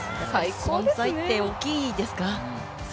存在って大きいですか？